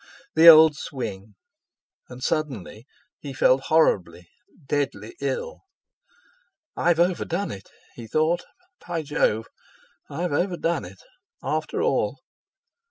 The old swing! And suddenly, he felt horribly—deadly ill. 'I've over done it!' he thought: 'by Jove! I've overdone it—after all!'